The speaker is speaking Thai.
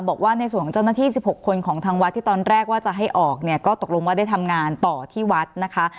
บอกว่าในส่วนของเจ้าหน้าที่๑๖คนของทางวัดที่ตอนแรกว่าจะให้ออกเนี่ยก็ตกลงว่าได้ทำงานต่อที่วัดนะคะ